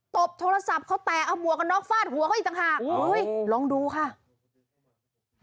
ตบโทรศัพท์เขาแตกเอาหัวกับนอกฟาดหัวก็อีกต่างหาก